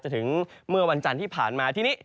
ถึงเมื่อวันจันทร์ที่ผ่านมาทีนี้